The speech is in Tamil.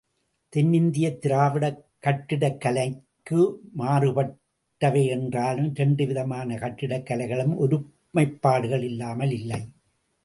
தென்னிந்தியத் திராவிடக் கட்டிடக் கலைக்கு மாறுபட்டவை என்றாலும், இரண்டு விதமான கட்டிடக் கலைகளுக்கும் ஒருமைப்பாடுகள் இல்லாமல் இல்லை.